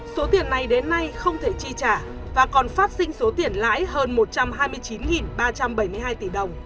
số tiền này đến nay không thể chi trả và còn phát sinh số tiền lãi hơn một trăm hai mươi chín ba trăm bảy mươi hai tỷ đồng